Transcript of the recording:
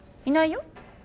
いないよ